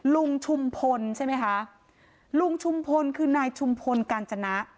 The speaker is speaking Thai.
ลุงชุมพลใช่ไหมคะลุงชุมพลคือนายชุมพลกาญจนะ